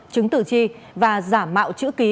chứng tử chi và giả mạo chữ ký